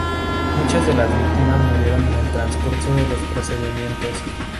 Muchas de las víctimas murieron en el transcurso de los procedimientos.